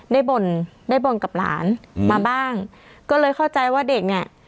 บ่นได้บ่นกับหลานอืมมาบ้างก็เลยเข้าใจว่าเด็กเนี้ย